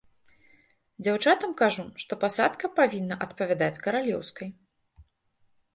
Дзяўчатам кажу, што пасадка павінна адпавядаць каралеўскай.